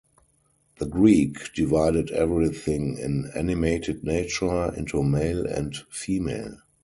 The Greek divided everything in animated nature into male and female.